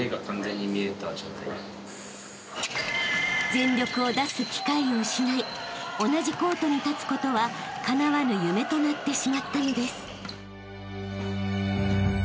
［全力を出す機会を失い同じコートに立つことはかなわぬ夢となってしまったのです］